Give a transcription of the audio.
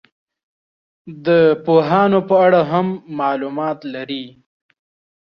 د پوهانو په اړه هم معلومات لري.